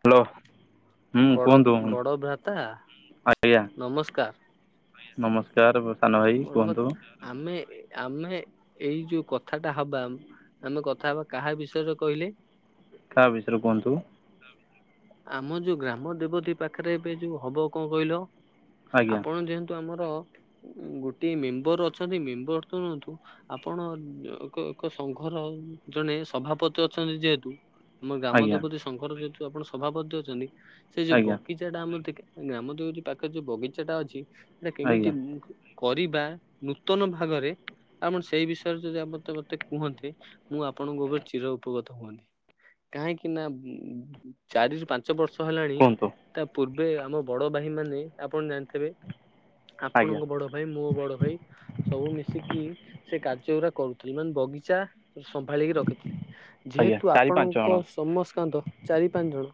Hello. ହୁଁ ବଡ କୁହନ୍ତୁ ବଡ ଭ୍ରାତା ଆଜ୍ଞା ନମସ୍କାର। ନମସ୍କାର। [inaudible] ବଡ଼ କୁହନ୍ତୁ। ଭ୍ରାତା ଆମେ ଆମେ ଏଇ ଯୋଉ କଥାଟା ହବା ଆମେ କଥା ହବା କାହା ବିଷୟରେ କହିଲେ? କାହା ବିଷୟରେ କୁହନ୍ତୁ? ଆମ ଯୋଉ ଗ୍ରାମ ଦେବତୀ ପାଖରେ ଏବେ ଯୋଉ ହବ କଣ କହିଲ? ଆଜ୍ଞା ଆପଣ ଯେହେତୁ ଆମର ଗୋଟେ ମେମ୍ବର ଅଛନ୍ତି ମେମ୍ବର ତୁନ୍ତୁ ଆପଣ ଏକ ଏକ ସଂଘର ଜଣେ ସଭାପତି ଅଛନ୍ତି ଯେହେତୁ ଆମ ଗ୍ରାମ ଆଜ୍ଞା ଦେବପତି ଶଙ୍କର ଯେହେତୁ ଆପଣ ସଭାପତି ଅଛନ୍ତି, ସେ ଯଉ ଆଜ୍ଞା ବଗିଚା ଟା ଆମର ଗ୍ରାମ ଯୋଉି ପାଖରେ ଯୋଉ ବଗିଚା ଟା ଅଛି ସେଇଟା ଆଜ୍ଞା କେମିତି କରିବା ନୂତନ ଭାଗରେ ଆପଣ ସେଇ ବିଷୟରେ ଯଦି ଆପତେ ମୋତେ କୁହନ୍ତି ମୁଁ ଆପଣଙ୍କୋ ଉପରେ ଚିର ଉପକୃତ ହୁଅନ୍ତି। କାହିଁକି ନା ଚାରିରୁ ପାଞ୍ଚ ବର୍ଷ ହେଲାଣି କୁହନ୍ତୁ ତା ପୂର୍ବେ ଆମ ବଡ ଭାଇ ମାନେ ଆପଣ ଜାଣିଥିବେ ଆଜ୍ଞା ଆପଣଙ୍କ ବଡ ଭାଇ ମୁଁ ବଡ ଭାଇ ସବୁ ମିଶିକି ସେ କାର୍ଯ୍ୟ ଗୁଡା କରୁଥିଲି ମାନେ ବଗିଚା ସମ୍ଭାଳିକି ରଖିଥିଲେ ଆଜ୍ଞା ଯେହେତୁ ଚାରି ପାଞ୍ଚ ଆପଣଙ୍କ ଜଣ ସମସ୍କାନ୍ତ ଚାରି ପାଞ୍ଚ ଜଣ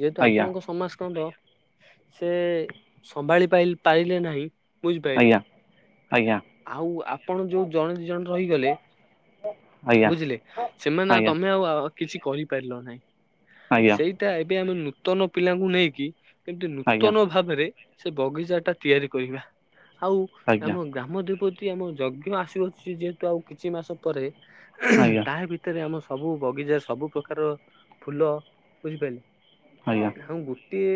ଯେହେତୁ ଆଜ୍ଞା ଆପଣଙ୍କ ସମସ୍କନ୍ଦ ସେ ସମ୍ଭାଳି ପାରି ପାରିଲେ ନାହିଁ। ବୁଝିପାରଲେ ଆଜ୍ଞା ଆଜ୍ଞା ଆଉ ଆପଣ ଯୋଉ ଜଣେ ଦ ଜଣେ ରହିଗଲେ ଆଜ୍ଞା ବୁଝିଲେ ସେମାନେ ଆଉ ଆଜ୍ଞା ତମେ ଆ କିଛି କରିପାରିଲ ନାହିଁ ଆଜ୍ଞା ଆଜ୍ଞା ଆଜ୍ଞା ସେଇଟା ଏବେ ଆମେ ନୂତନ ପିଲାଙ୍କୁ ନେଇକି କିନ୍ତୁ ଆଜ୍ଞା ନୂତନ ଭାବରେ ସେ ବଗିଚା ଟା ତିଆରି କରିବା। ଆଉ ଆମ ଗ୍ରାମ ଦେବତୀ ଆମ ଯଜ୍ଞ ଆସୁଅଛି ଯେହେତୁ ଆଉ କିଛି ମାସ ପରେ। ତା ଭିତରେ ଆମ ସବୁ ବଗିଚା ସବୁ ପ୍ରକାର ଫୁଲ ବୁଝିପାରିଲେ ଆଜ୍ଞା ଆଉ ଗୋଟିଏ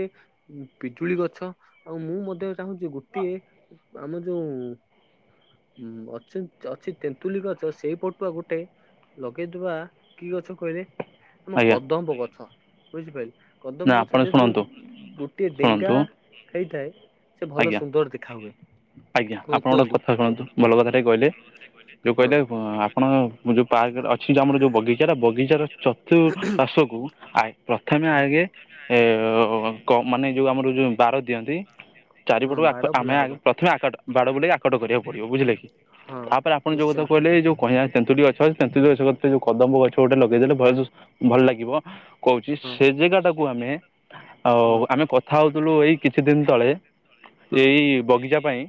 ପିଜୁଳି ଗଛ ଆଉ ମୁଁ ମଧ୍ୟ ଚାହୁଁଛି ଗୋଟିଏ ଆମ ଯୋଉ ଉଁ ଅ ଅଛି ତେନ୍ତୁଲି ଗଛ ସେଇ ପଟୁଆ ଗୋ ଲଗେଇଦବା କି ଗଛ କହିଲେ ଆମ ଆଜ୍ଞା କଦମ୍ବ ଗଛ ବୁଝିପାରିଲି କଦମ ନା ଗଛ ଆପଣ ଯେହେତୁ ଶୁଣନ୍ତୁ ଗୋଟିଏ ଡେଙ୍ଗା ଶୁଣନ୍ତୁ ହେଇଥାଏ ସେ ଭଲ ଆଜ୍ଞା ସୁନ୍ଦର ଦେଖା ହୁଏ। ଆଜ୍ଞା ଆପଣ ଗୋଟେ କୁହନ୍ତୁ କଥା ଶୁଣନ୍ତୁ ଭଲ କଥା ଟ କହିଲେ ଯୋଉ ହଁ କହିଲେ ଆପଣ [unintelligible] ଅଛି ଯୋଉ ଆମର ଯୋଉ ବଗିଚାର ବଗିଚାର ଚତୁର୍ପଶକୁ ଆ ପ୍ରଥମେ ହଁ। ଆଗେ ଏ କ ମାନେ ଯୋଉ ଆମର ଯୋଉ ବାର ଦିଅନ୍ତି ହଁ ଚାରିପଟକୁ ବାଡ଼ ଆମେ ବୁଲା ଆଖ ହବ ପ୍ରଥମେ ଆଟ ବାର ବୁଲିକି ଆକଟ କରିବାକୁ ପଡ଼ିବ ବୁଝିଲେ କି। ହଁ ତାପରେ ଆପଣ ଯୋଉ କଥା ନିଶ୍ଚୟ କହିଲେ ଏ ଯୋଉ କହଆଁ ତନ୍ତୁଟି ଗଛ ନ୍ତୁଷେ ଯୋଉ କଦମ୍ବ ଗଛ ଗୋଟେ ଲଗେଇଦେଲେ ଭୟ ଭଲ ଲାଗିବ। କହୁଚି ହଁ ସେ ଜାଗା ଟାକୁ ଆମେ ଅ ହଁ ଆମେ କଥା ହଉଥିଲୁ ଏଇ କିଛି ଦିନ ତଳେ ହଁ ଏଇ ବଗିଚା ପାଇଁ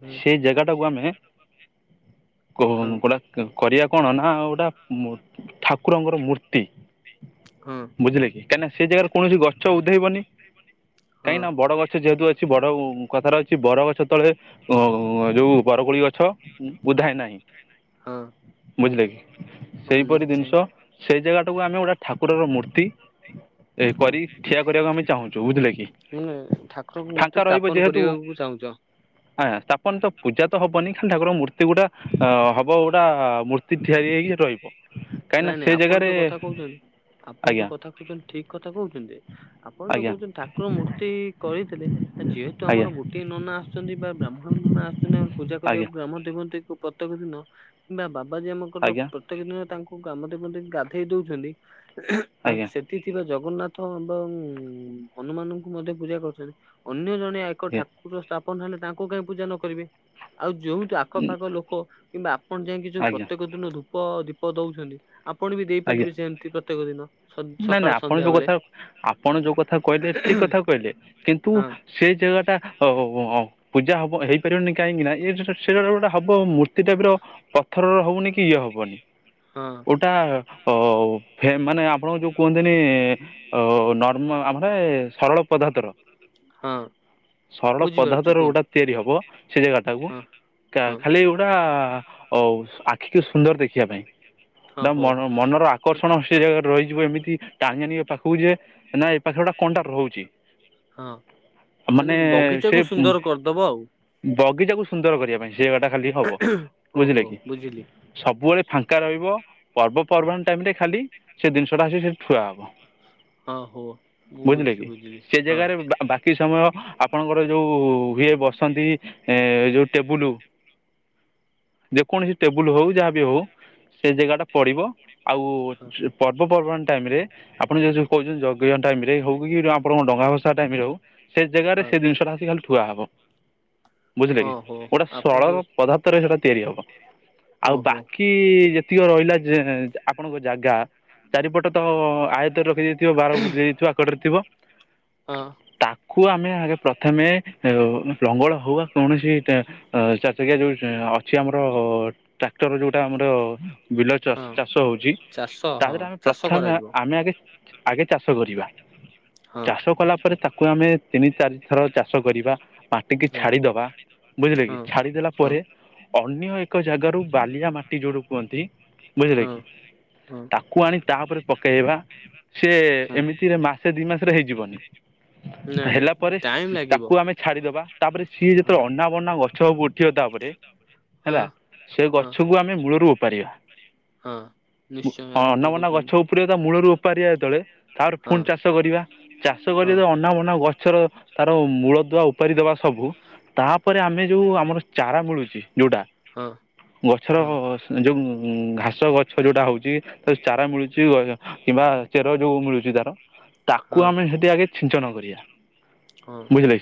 ହୁଁ ସେଇ ଜାଗା ଟାକୁ ଆମେ ଗୋ ହଁ ଗୋ କରିବା। କଣ ନା ଗୋଟା ଠାକୁରଙ୍କର ମୂର୍ତ୍ତି ହଁ ବୁଝିଲେ କି କାହିଁକିନା ସେ ଜାଗାରେ କୌଣସି ଗଛ ଉଦ୍ଧେଇବନି ହଁ କାହିଁକିନା ବଡ଼ ଗଛ ଯେହେତୁ ଅ କିଛି ବଡ କଥାର ଅଛି ବରଗଛ ତଳେ ଅ ଯୋଉ ବରଗୁଳି ଗଛ ବଧାଏ ନାହିଁ। ହଁ। ବୁଝିଲେ କି ହଁ ସେଇପରି ନିଶ୍ଚୟ ଜିନିଷ ସେଇ ଜାଗାଟାକୁ ଆମେ ଗୋଟେ ଠାକୁରର ମୂର୍ତ୍ତି ଏ ହୁଁ କରି ଠିଆ କରିବାକୁ ଆମେ ଚାହୁଁଚୁ, ବୁଝିଲେ କି? ଠାର ମୂତ୍ ଫାଙ୍କା ରହିବ ଯେହେତୁ ଆ ସ୍ଥାପନ ତ ପୂଜା ତ ହବନି। ଠାରଙ୍କ ମୂର୍ତ୍ତି ଗୋଟା ଅ ହବ ଗୋଟା ମୂର୍ତ୍ତି ତିଆରି ହେଇକି ଥୋଇବ। ନାଇଁ ନାଇଁ ଆପଣ ଯୋଉ କଥା କହୁଛନ୍ତି ଆପଣ ଆଜ୍ଞା ଯୋଉ କଥା କହୁଛନ୍ତି ଠିକ କଥା କହୁଛନ୍ତି, ଆପଣ ଯୋଉ ଆଜ୍ଞା କହୁଛନ୍ତି ଠାକୁର ମୂର୍ତ୍ତି କରିଥି ଆ ଯେହେତୁ ଆଜ୍ଞା ଆମର ଗୋଟେ ନନା ଆସୁଛନ୍ତି ବା ବ୍ରାହ୍ମଣ ନନା ଆସୁଛନ୍ତି ଆ ପୂଜା ଆଜ୍ଞା କରିବାକୁ ଗ୍ରମ ଦେ ମ ପ୍ରତ୍ୟେକ ଦିନ କିମ୍ବା ବାବାଜୀ ଆମଙ୍କର ଆଜ୍ଞା ପ୍ରତ୍ୟେକ ଦିନ [unintelligible] ଗାଧେଇ ଦଉଛନ୍ତି ଆଉ ଆଜ୍ଞା ସେଠ ଥିବା ଜଗନ୍ନାଥ ଏବଂ ହନୁମାନଙ୍କୁ ମଧ୍ୟ ପୂଜା କରୁଛନ୍ତି ଅନ୍ୟ ଜଣେ ଏକ ଆଜ୍ଞା ଠାକୁର ସ୍ଥାପନ ହେଲେ ତାଙ୍କୁ କାହିଁ ପୂଜା ନ କରିବେ ଆଉ ଯୋଉଠି ଉଁ, ଆଖପାଖ ଲୋକ କିମ୍ବା ଆପଣ ଯାଇକି ଯୋଉ ଆଜ୍ଞା ପ୍ରତ୍ୟେକ ଦିନ ଧୂପ ଦୀପ ଦଉଛନ୍ତି ଆପଣ ବି ଆଜ୍ଞା ଦେଇପାରିବେ ସେମତି ନାଇଁ ନାଇଁ ଆପଣ ଯୋଉ କଥା ଆପଣ ଯୋଉ କଥା କହିଲେ ଠିକ କଥା କହିଲେ କିନ୍ତୁ ହଁ ସେ ଯ ଟା ଓ ପୂଜା ହବ ହେଇପାରିବନି କାହିଁକି ନା ଏୋ ସେଟ ଗୋଟା ହବ ମୂର୍ତ୍ତି ଟାପ ର ପଥରର ହବନି କି ଇଏ ହବନି ହଁ ଓଟା ଅ ମାନେ ଆପଣଙ୍କ ଯୋଉ କୁହନ୍ତିନି ନର୍ମା ଆମର ସରଳ ପଦାର୍ଥର ହଁ ସରଳ ପଦାର୍ଥ ବୁଝିପାରୁଛି ର କୁହନ୍ତୁ ଗୋଟା ତିଆରି ହବ ସେ ଜାଗା ଟାକୁ ହଁ ହଁ ଖାଲି ଗୋଟା ଅ ଆଖିକୁ ସୁନ୍ଦର ଦେଖିବା ପାଇଁ ହଁ ତା ହଉ। ମନର ଆକର୍ଷଣ ସେ କ- ଜାଗାରେ ରହିଛି ଯିବ ଏମିତି ଟାଣଆନ ଏ ପାଖକୁ ଯେ ନା ଏ ପାଖରେ ଗୋଟେ କଣ୍ଟା ରହୁଛି ହଁ ମାନେ ସେ ବଗିଚାକୁ ସୁନ୍ଦର କରିଦବ ଆଉ ବଗିଚାକୁ ସୁନ୍ଦର କରିବା ପାଇଁ ଜଗଟା ଖାଲି ହବ ଓହୋ ବୁଝିଲେ କି ବୁଝିଲି। ସବୁବେଳେ ଫାଙ୍କା ରହିବ ପର୍ବପର୍ବାଣି ଟାଇମ ରେ ଖାଲି ସେ ଜିନିଷଟା ଆସିକ ସେଠି ଠୁଆ ହବ ହଁ ହଉ ବୁଝିଲେ ବୁଝିଲି କି ବୁଝିଲି ସେ ହଁ ଜାଗାରେ ବାକି ସମୟ ଆପଣଙ୍କର ଯୋଉ ୁଏ ବସନ୍ତି ଏଇ ଯଉ ଟେବୁୁ ହୁଁ ଯେକୌଣସି ଟେବୁଲ ହଉ ଯାହା ବି ହଉ ସେ ଜାଗା ଟା ପଡିବ ଆଉ ହଁ ପର୍ ଟାଇମ ରେ ଆପଣ ଯ କହୁଛନ୍ତି ଯଜ୍ଞ ଟାଇମ ରେ ଯ ହଉ କିଉ ଆପଣଙ୍କ ଡଙ୍ଗା ଭସା ଟାଇମରେ ହଉ ସେ ଜାଗାରେ ହଁ। ସେ ଜିନିଟାିକ ଖାଲି ୁଆ ହବ ବୁଝିଲେ ହଁ କି ହୋ ଗୋଟେ ଆପଣ ସରଳ ଯୋଉ ପଦାର୍ଥରେ ସେଇଟା ତିଆରି ହବ ଆଉ ଓହୋ ବାକି ଯେତିକି ରହିଲା ଆପଣଙ୍କ ଜାଗା ଚାରିପଟ ତ ଆୟତରେ ରଖି ଯାଇଥିବ ବାର ବୁ ଯାଇଥିବ ଆକଟରେ ଥିବ ହଁ କୁ ଆମେ ଆଗେ ପ୍ରଥମେ ଲଙ୍ଗଳ ହଉ ବା କୌଣସି ଚା ସେ୍ଞା ଯେଉଁ ଅଛି ଆମର ଟ୍ରାକ୍ଟର ଯେଉଁଟା ଆମର ବିଲ ହଁ ଚାଷ ହଉଛି ଚାଷ ତା ହଁ ଦେହରେ ଆମେ ଚାଷ ପ୍ରଥମେ କରାଯିବ ଆମେ ଆଗେ ଆଗେ ଚାଷ କରିବା ହଁ ଚାଷ କଲା ପରେ ତାକୁ ଆମେ ତିନି ଚାରି ଥର ଚାଷ କରିବା ମାଟିିକି ହଁ ଛାଡିଦବା ବୁଝିଲେ କି ହଁ। ଛାଡିଦେଲା ହଁ ପରେ ଅନ୍ୟ ଏକ ଏକ ଜାଗାରୁ ବାଲିଆ ମାଟି ଯୋଡୁ କୁହନ୍ତି ହଁ ହଁ ପାଣି ତାପରେ ପକେଇବା ସି ହଁ ଏମିତିରେ ମାସେ ଦି ମାସରେ ହେଇଯିବନି ନାଇଁ ନାଇଁ ହେଲା ପରେ ଟାଇମ ଲାଗିବ ତାକୁ ଆମେ ଛାଡିଦବା ତାପରେ ସିଏ ହଁ ଯେତେବେ ଅନା ବନା ଗଛ ସବୁ ଉଠିବ ତାପରେ ହେଲା ହଁ। ସେ ହଁ ଗଛକୁ ଆମେ ମୂଳରୁ ଉପାରିବା ହଁ ନିଶ୍ଚୟ ଆପଣ ଅନା ଯୋଉ ମନା କହୁଛନ୍ତି ଗଛ ଉପରେ ତା ମୂଳରୁ ଓପାରିଆ ଯେତବେଳେ ତାପରେ ହଁ ପୁଣି ଚାଷ କରିବା ଚାଷ କର ହଁ ତ ଅନାବନା ଗଛର ତାର ମୂଳ ଦୁଆ ଉପାରି ଦବା ସବୁ ତାପରେ ଆମେ ଯୋଉ ଆମର ଚାରା ମିଳୁଛି ଯୋଉଟା ହଁ। ଗଛର ହଁ ଯୋଉ ଘାସ ଗଛ ଯୋଉଟା ହଉଛି ଚାରା ମିଳୁଛି ଗ କିମ୍ବା ଚେର ଯୋଉ ମିଳୁଛି ତାକୁ ହଁ ଆମେ ସେଠି ଆଗେ ଛିଞ୍ଚନ କରିବା ହଁ ବୁଝିଲ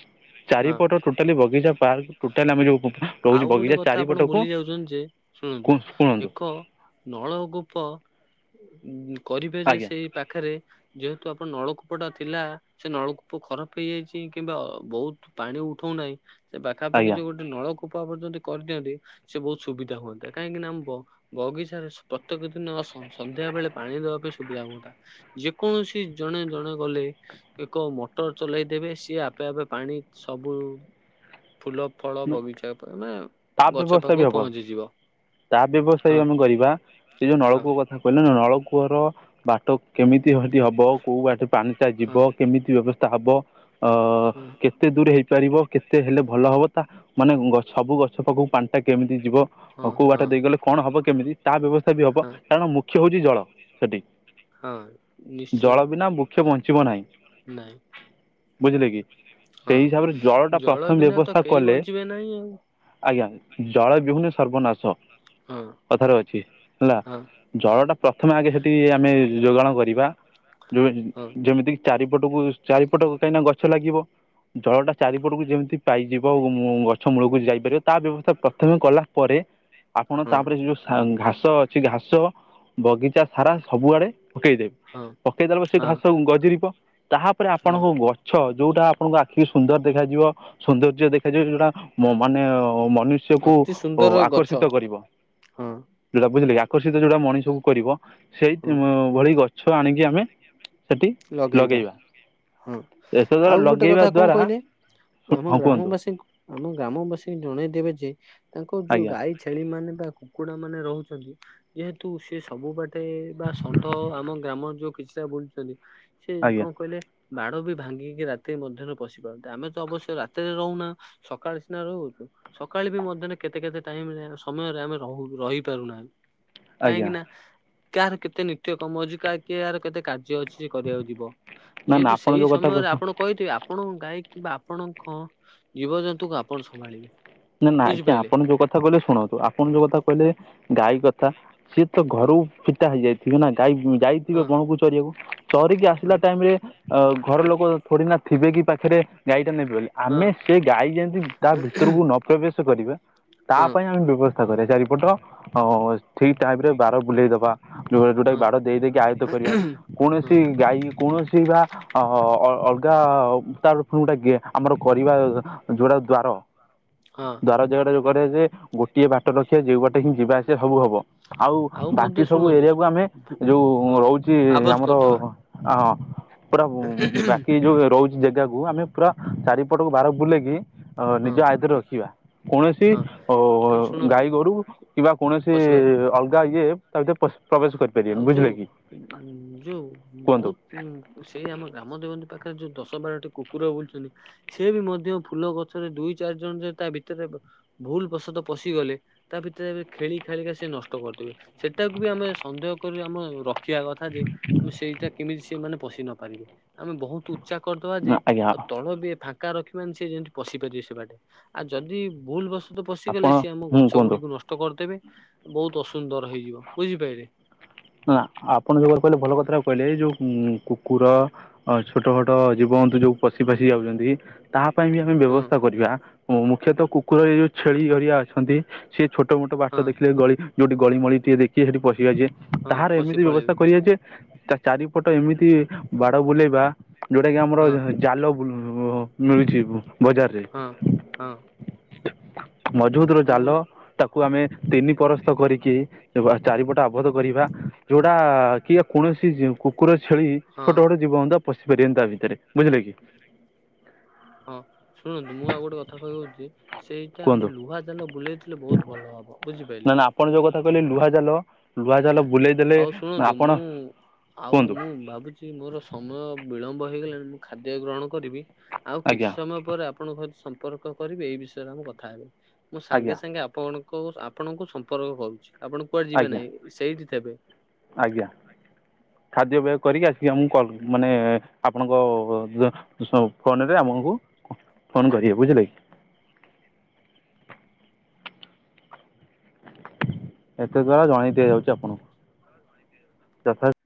ହଁ ଚାରିପଟ ଟୋଟାଲି ବଗିଚା ପାର୍କ ଟୋଟାଲି ଆମେ ଯୋଉ ରହୁଛି ଆଉ ଗୋଟେ ବଗିଚା କଥା ଆପଣ ଚାରିପଟକୁ ଭୁଲି ଯାଉଛନ୍ତି ଯେ ଶୁଣନ୍ତୁ ଶୁଣନ୍ତୁ ଏକ ନଳ ଗୋପ କରିବେ ଯେ ଆଜ୍ଞା ସେଇ ପାଖରେ ଯେହେତୁ ଆପଣ ନଳକୂପ ଟା ଥିଲା ସେ ନଳକୂପ ଖରାପ ହେଇଯାଇଛି କିମ୍ବା ବହୁତ ପାଣି ଉଠଉ ନାହିଁ ସେ ପାଖାପାଖି ଆଜ୍ଞା ଯୋଉ ଗୋଟେ ନଳକ ର୍ଯ୍ୟନ୍ତ କରିଦିଅନ୍ତି ସେ ବହୁତ ସୁବିଧା ହୁଅନ୍ତା କାହିଁକି ନା ଆମ ବଗିଚାରେ ପ୍ରତ୍ୟେକ ଦିନ ସନ୍ଧ୍ୟା ବେଳେ ପାଣି ଦବା ପାଇଁ ସୁବିଧା ହୁଅନ୍ତା ଯେକୌଣସି ଜଣେ ଜଣେ ଗଲେ ଏକ ମୋଟର ଚଲେଇ ଦେେବେ ସିଏ ଆପେ ଆପେ ପାଣି ସବୁ ଫୁଲ ଫଳ ବଗିଚା ତମେ ତା ଗଛ ବ୍ୟବସ୍ଥା ବି ପାଖକୁ ହବ ପହଞ୍ଚିଯିବ। ତା ବ୍ୟବସ୍ଥା ହଁ ଆମେ କରିବା ସେ ଯୋଉ ହଁ ନଳକୂଅ କଥା କହିଲେ ନଳ ଳ କୂଅର ବାଟ କେମିତିଟି ହବ କୋଉ ବାଟରେ ପାଣିଟା ହଁ ଯିବ କେମିତି ବ୍ୟବସ୍ଥା ତାବ ଅ ହଁ କେତେ ଦୂର ହେଇପାରିବ କେତେ ହେଲେ ଭଲ ହବ ମାନେ ସବୁ ଗଛ ପାଖକୁ ପାଣିଟା କେମିତି ଯିବ ହଁ କୋଉ ହଁ ବାଟା ଦେଇଗଲେ କଣ ହବ କେମିତି ତା ବ୍ୟବସ୍ଥା ବି ହବ ହଁ। କାରଣ ମୁଖ୍ୟ ହଉଛି ଜଳ। ସେଠି। ହଁ ନିଶ୍ଚୟ ଜଳ ବିନା ମୁଖ୍ୟ ବଞ୍ଚିବ ନାହିଁ ନାଇଁ। ବୁଝିଲେ କି ସେଇ ହିସାବରେ ଜଳଟା ପ୍ରଥମେ ବ୍ୟବସ୍ଥା କେଇ କଲେ ବଞ୍ଚିବେ ନାହିଁ ଆଉ। ଆଜ୍ଞା ଜଳ ବିହୁନେ ସର୍ବନାଶ। ଆଉ କଥାରେ ଅଛି ହେଲା ହଁ ଜଳ ଟା ପ୍ରଥମେ ଆଗେ ସେଠି ଆମେ ଯୋଗାଣ କରିବା ଯୋଉ ହଁ ଯେମିତିକି ଚାରିପଟକୁ ଚାରିପଟ କାହିଁକିନା ଗଛ ଲାଗିବ ଜଳଟା ଚାରିପଟକୁ ଯେମିତି ପାଇଯିବ ଗଛ ମୂଳକୁ ଯାଇପାରିବ ତା ବ୍ୟବସ୍ଥା ପ୍ରଥମେ କଲା ପରେ ଆପଣ ହଁ ତାପରେ ଯୋଉ ଘାସ ଅଛି ଘାସ ବଗିଚା ସାରା ସବୁଆଡେ ପକେଇ ଦେବି ହଁ ପକେଇଦେଲେ ବ ସେ ହଁ ହଁ ଘାସ ଗଜିରିବ ତାପରେ ହଁ ଆପଣଙ୍କ ଗଛ ଯୋଉଟା ଆପଣଙ୍କ ଆଖି ସୁନ୍ଦର ଦେଖାଯିବ ସୌନ୍ଦର୍ଯ୍ୟ ଦେଖାଯିବ ଯୋଉଟା ମାନେ ମନୁଷ୍ୟକୁ ଅତି ସୁନ୍ଦର ଆକର୍ଷିତ ଗଛ କରିବ ହଁ ଯୋଉଟା ବୁଝିଲେ କି? ଆକର୍ଷିତ ଯୋଉଟା ମଣିଷକୁ କରିବ ସେଇ ହଁ ଭଳି ଗଛ ଆଣିକି ଆମେ ସେଠି ଲଗେଇବା। ହଁ ଏତଦ୍ ଦ୍ୱାରା ଆଉ ଗୋଟେ ଲଗେଇବା କଥା କଣ ଦ୍ୱାରା କହିଲେ ଆମ ହଁ କୁହନ୍ତୁ ଗ୍ରାମବାସୀଙ୍କୁ ଆମ ଗ୍ରାମବାସୀ ଜଣେଇ ଦେବେ ଯେ ତାଙ୍କ ଯୋଉ ଆଜ୍ଞା ଗାଈ, ଛେଳି ମାନେ କୁକୁଡା ମାନେ ରହୁଛନ୍ତି ଯେହେତୁ ସେ ସବୁ ବାଟେ ବା ଷଣ୍ଢ ଆମ ଗ୍ରାମ ଯୋଉ କିଛିଟା ବୁଲୁଛନ୍ତି ସେ ଆଜ୍ଞା କଣ କହିଲେ ବାଡ ବି ଭାଙ୍ଗିକି ରାତି ମଧ୍ୟରେ ପଶି ପାରୁନ୍ତେ ଆମେ ତ ଅବଶ୍ୟ ରାତିରେ ରହୁନା ସକାଳ ସିନା ରହୁ। ସକାଳେ ବି ମଧ୍ୟରେ କେତେ କେତେ ଟାଇମରେ ସମୟରେ ଆମେ ରହୁ ରହିପାରୁନାହିଁ ଆଜ୍ଞା କାହିଁକି ନା କାହାର କେତେ ନିତ୍ୟ କର୍ମ ଅଛି କା କାହାର କେତେ କାର୍ଯ୍ୟ କରିବାକୁ ଯିବ ନା ଯେହେତୁ ନା ଆପଣ ସେଇ ଯେଉଁ କଥା ସମୟରେ ଆପଣ କହିଥିବେ ଆପଣଙ୍କ ଗାଈ କିମ୍ବା ଆପଣଙ୍କ ଜୀବଜନ୍ତୁ କୁ ଆପଣ ସମ୍ଭାଳିବେ। ନାଁ ଆଜ୍ଞା ବୁଝିପାରିଲେ ଆପଣ ଯୋଉ କଥା କହିଲେ ଶୁଣନ୍ତୁ ଆପଣ ଯୋଉ କଥା କହିଲେ ଗାଈ କଥା ସିଏ ତ ଘରୁ ଫିଟା ହେଇଯାଇ ନାଇଁ ଯାଇଥିବେ ହଁ ବଣକୁ ଚରିବାକୁ ଚରିକି ହଁ ଆସିଲା ଟାଇମ ରେ ଅ ଘର ଲୋକ ଥୋଡି ନା ଥିବେ କି ପାଖରେ ଗାଈଟା ନେବେ ବୋଲି ହଁ ଆମେ ସେ ଗାଈ ଯେମିତି ତା ଭିତରକୁ ନ ପ୍ରବେଶ କରିବ ତା ହଁ ପାଇଁ ଆମେ ବ୍ୟବସ୍ଥା କରିବା ଚାରିପଟ ଠିକ ଟାଇପ ରେ ବାର ବୁଲେଇଦବା। ଯଉ ଯୋଉଟାକି ହଁ ବାଡ଼ ଦେଇ ଦେଇକି ଆୟତ୍ତ କରିବା ହଁ କୌଣସି ଗାଈ କୌଣସି ଅଲଗା ତା ଫିଲ୍ମ ଟା ଆମର କରିବା ଯୋଡା ଦ୍ଵାର ହଁ ଦବାର ଜଗଡା ଯୋଗରେ ଯେ ଗୋଟିଏ ବାଟ ରଖିବା ଯୋଉ ବାଟ ହିଁ ଯିବା ଆସିବା ସବୁ ହବ। ଆଉ ବାକି ମଧ୍ୟ ସବୁ ଶୁଣନ୍ତୁ ଏରିଆକୁ ଆମେ ଭୁ- ଯୋଉ ହଁ ରହୁଛି ଆବଜ ଆମର କରିଦବା ଅ ପୁରା ବାକି ଯୋଉ ରହୁଛି ଜାଗାକୁ ଆମେ ପୁରା ଚାରିପଟକୁ ବାର ଓ ହଁ ନିଜ ଆଇଦ୍ର ଦେଖିବା କୌଣସି ହଁ ଅ ଏ ଶୁଣନ୍ତୁ ଗାଈ ଗୋରୁ କିମ୍ବା କୌଣସି ପଶିବା ଅଲଗା ଇଏ ତା ଭିତରେ ପଶ ଆଉ ଯୋଉ ଯୋଉ କୁହନ୍ତୁ ବହୁତ ଉ ସେଇ ଆମ ଗ୍ରାମ ଦେବତୀ ପାଖରେ ପା ଯୋଉ ଦଶ ବାରଟି କୁକୁର ବୁଲଛନ୍ତି ସେ ବି ମଧ୍ୟ ଫୁଲ ଗଛରେ ଦୁଇ ଚାରି ଜଣ ଯ ତା ଭିତରେ ଭୁଲ ପ୍ରସାଦ ପଶିଗଲେ ତା ଭିତରେ ଖେଳି ଖେଳିକା ସେ ନଷ୍ଟ କରିଦେବେ ସେଟାକୁ ବି ଆମେ ସନ୍ଦେହ କରି ଆମେ ରଖିବା କଥା ଯେ ଆମେ ସେଇଟା କେମିତି ସେମାନେ ପଶି ନ ପାରିବେ ଆମେ ବହୁତ ଉଚା କରିଦବା ଯେ ଆଜ୍ଞା ଆଉ ତଳ ବି ଫା ଙ୍କା ରଖିବାନି ସେ ଯେମିତି ପଶି ପାରିବେ ସେ ବାଟେ ଆଉ ଯଦି ଭୁଲ ବଶ୍ ତ ପଶିଗଲେ ଆପଣ ସିଏ ଆମ ହୁଁ ଗଛ କୁହନ୍ତୁ। ଗୁଡିକୁ ନଷ୍ଟ କରିଦେବେ ବୋହୁତ ଅସୁନ୍ଦର ହେଇଯିବ ବୁଝିପାଇଲେ। ନା ଆପଣ ଯୋଉ ଭାବରେ କହିଲେ ଭଲ କଥାଟା କୁ କହିଲେ ଏଇ ଯୋଉ ଉଁ କୁକୁର ଅଁ ଛୋଟୋ ମୋଟୋ ଜୀବ ସମନ୍ତେ ଯୋଉ ପଶି ପାଶି ଯାଉଚନ୍ତି ତା ପାଇଁ ବି ଆମେ ହଁ। ବ୍ୟବସ୍ଥା କରିବା ଉଁ ମୁଖ୍ୟତଃ କୁକୁରର ଏଇ ଯୋଉ ଛେଳି ହେରିକା ଅଛନ୍ତି ସେ ଛୋଟୋ ମୋଟୋ ବାଟ ହଁ ଦେଖିଲେ ଗଳି ଯୋଉଠି ଗଳି ମଳି ଟିକିଏ ଦେଖିବେ ସେଠି ପଶିବେ ହଁ ତାହାର ପଶି ଏମିତି ପଳେଇବେ ବ୍ୟବସ୍ଥା କରିବା ଯେ ତା ଚାରିପଟ ଏମିତି ବାଡ ବୁଲେଇବା ଯୋଉଟା କି ଆମର ହଁ ଜାଲ ବୁଲ ଉଁ ମିଳୁଚି ବୁ ହଁ ହଁ। ମଝୁବୁତର ମୁଁ ଜାଲ ତାକୁ ଆମେ ତିନି ପରସ୍ତ କରିକି ଦବା ଚାରିପଟା ଆ ବୋଧ କରିବା ଯୋଉଟା କିଏ କୌଣସି ଜି କୁକୁର ଛେଳି ହଁ ଛୋଟୋ ଛୋଟୋ ଜୀବ ମଧ୍ୟ ପଶିପାରିବେନି ତା ଭିତେରେ ବୁଝିଲେ କି? [inaudible] ହଁ ଶୁଣନ୍ତୁ ମୁଁ ଆଉ ଗୋଟେ କଥା କହିଦୋଉଚି ସେଇଟା କୁହନ୍ତୁ ଆମେ ଲୁହା ଜାଲ ବୁଲେଇଥିଲେ ବୋହୁତ ଭଲ ହବ ବୁଝି ନା ନା ଆପଣ ଯୋଉ କଥା କହିଲେ ଲୁହା ଜାଲ ଲୁହା ଜାଲ ବୁଲେଇ ଦେଲେ ହୋଉ ଶୁଣନ୍ତୁ ଆପଣ ମୁଁ ଆଉ କୁହନ୍ତୁ ମୁଁ ଭାବୁଚି ମୋର ସମୟ ବିଳମ୍ବ ହେଇଗଲାଣି ମୁଁ ଖାଦ୍ୟ ଗ୍ରହଣ କରିବି ଆଉ କିଛି ଆଜ୍ଞା ସମୟ ପରେ ଆପଣଙ୍କ ସମ୍ ସମ୍ପର୍କ କରିବି ଏଇ ବିଷୟରେ ଆମ କଥା ହେବେ ମୁଁ ଆଜ୍ଞା ସାଙ୍ଗେ ସାଙ୍ଗେ ଆପଣଙ୍କୁ ଆପଣଙ୍କୁ ସମ୍ପର୍କ କରୁଛି। ଆପଣ କୁଆଡେ ଯିବେ ଆଜ୍ଞା ନାହିଁ ସେଇଠି ଥେବେ। ଆଜ୍ଞା ଖାଦ୍ୟପେୟ କରିକି ଆସିକି ଆମକୁ କଲ୍ ମାନେ ଏଁ ଆପଣଙ୍କ ଜ ସ ଫୋନୋରେ ଆପଣକୁ ଫୋନ କରିବେ ବୁଝିଲେ କି? [inaudible] ଏତେ ଦ୍ଵାରା ଜଣେଇ ଦିଆଯାଉଚି ଆପଣଙ୍କୁ [unintelligible] ତଫାଥ